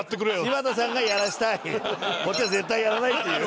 柴田さんがやらせたいこっちは絶対やらないっていう。